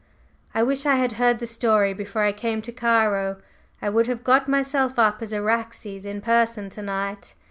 I wish I had heard the story before I came to Cairo; I would have got myself up as Araxes in person to night."